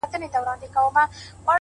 پوهه د امکاناتو شمېر زیاتوي.!